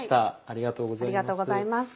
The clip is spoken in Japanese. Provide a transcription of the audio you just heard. ありがとうございます。